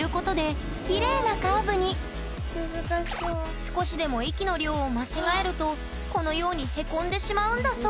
少しでも息の量を間違えるとこのようにへこんでしまうんだそう。